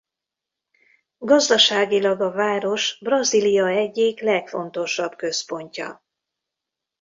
Gazdaságilag a város Brazília egyik legfontosabb központja.